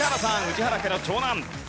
宇治原家の長男。